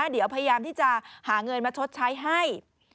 เดี๋ยวพยายามที่จะหาเงินมาชดใช้ให้